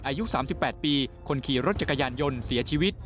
อายุสามสิบแปดปีคนขี่รถจักรยานยนต์เสียชีวิต